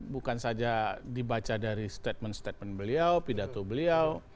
bukan saja dibaca dari statement statement beliau pidato beliau